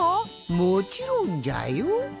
もちろんじゃよ。